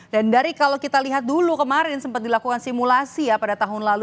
dan dari kalau kita lihat dulu kemarin sempat dilakukan simulasi ya pada tahun lalu